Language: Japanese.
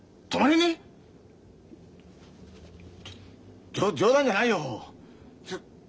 じょ冗談じゃないよ。